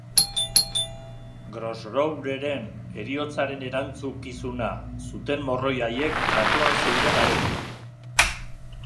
Grosrouvreren heriotzaren erantzukizuna zuten morroi haiek tratuan zeuden harekin.